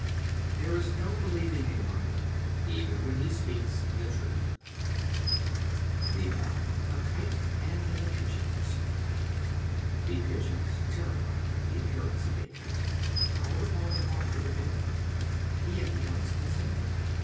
There is no believing a liar, even when he speaks the truth. The Hawk, the Kite, and the Pigeons. The Pigeons, terrified by the appearance of a Kite, called upon the Hawk to defend them. He at once consented.